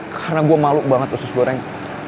karena gue malu banget susu goreng